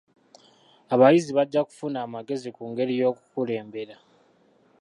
Abayizi bajja kufuna amagezi ku ngeri y'okukulembera.